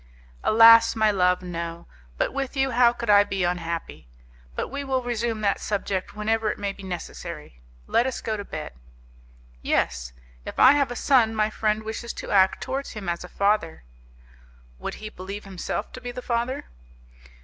"Alas! my love, no, but with you how could I be unhappy? But we will resume that subject whenever it may be necessary. Let us go to bed." "Yes. If I have a son my friend wishes to act towards him as a father." "Would he believe himself to be the father?"